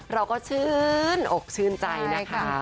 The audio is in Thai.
เราก็ชื่นอกชื่นใจนะคะ